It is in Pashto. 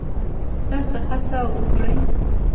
تاسو هڅه وکړئ